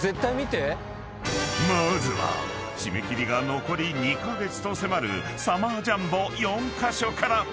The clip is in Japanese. ［まずは締め切りが残り２カ月と迫るサマージャンボ４カ所から］